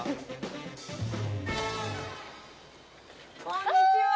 こんにちは。